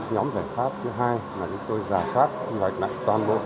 nhóm giải pháp thứ hai là chúng tôi giả soát hoạch nạnh toàn bộ